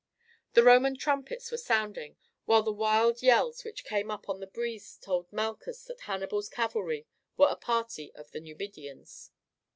The Roman trumpets were sounding, while the wild yells which came up on the breeze told Malchus that Hannibal's cavalry were a party of the Numidians.